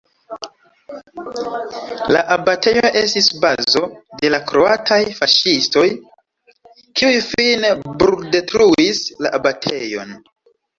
La abatejo estis bazo de la kroataj faŝistoj, kiuj fine bruldetruis la abatejon.